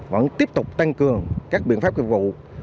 vẫn tiếp tục tăng cường các biện pháp nghiệp vụ